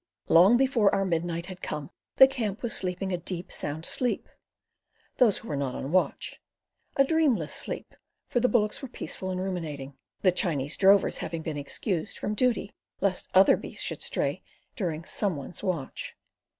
Long before our midnight had come, the camp was sleeping a deep, sound sleep—those who were not on watch—a dreamless sleep, for the bullocks were peaceful and ruminating, the Chinese drovers having been "excused" from duty lest other beasts should stray during "some one's" watch.